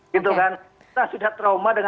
kita sudah trauma dengan piala dunia